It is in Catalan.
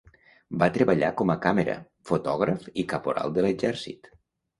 Va treballar com a càmera, fotògraf i caporal de l'exèrcit.